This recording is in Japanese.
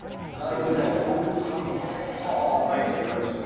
舞香ちゃんいかがでしたか？